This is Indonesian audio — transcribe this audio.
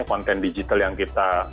konten digital yang kita